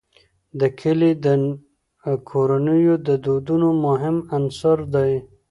دا کلي د کورنیو د دودونو مهم عنصر دی.